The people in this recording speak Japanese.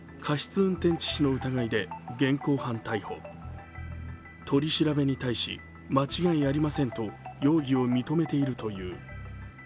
運転致死の疑いで現行犯逮捕、取り調べに対し間違いありませんと容疑を認めているという。